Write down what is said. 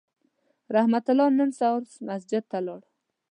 رحمت الله نن سهار مسجد ته لاړ